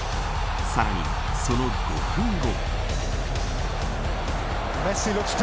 さらに、その５分後。